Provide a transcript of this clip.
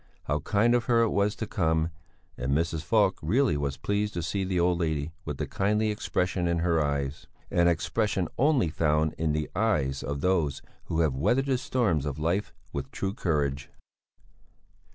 How kind of her it was to come! And Mrs. Falk really was pleased to see the old lady with the kindly expression in her eyes; an expression only found in the eyes of those who have weathered the storms of life with true courage.